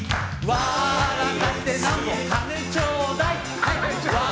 わらってなんぼ金ちょうだい！笑